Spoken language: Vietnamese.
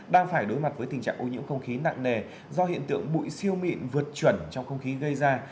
đang phải đối mặt với tình trạng ô nhiễm không khí nặng nề do hiện tượng bụi siêu mịn vượt chuẩn trong không khí gây ra